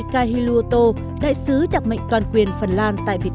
chúng tôi nghĩ khi chúng ta làm việc